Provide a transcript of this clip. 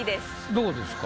どうですか？